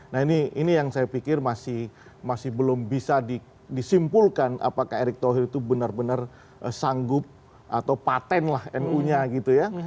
nah ini yang saya pikir masih belum bisa disimpulkan apakah erick thohir itu benar benar sanggup atau patent lah nu nya gitu ya